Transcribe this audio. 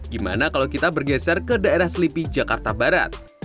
gimana kalau kita bergeser ke daerah selipi jakarta barat